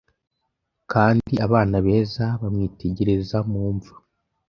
Kandi abana beza bamwitegereza mumva